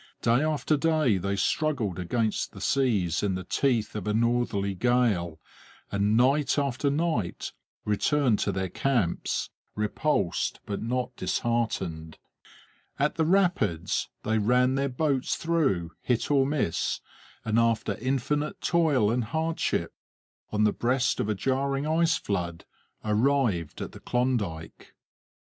Day after day they struggled against the seas in the teeth of a northerly gale, and night after night returned to their camps, repulsed but not disheartened. At the rapids they ran their boats through, hit or miss, and after infinite toil and hardship, on the breast of a jarring ice flood, arrived at the Klondike.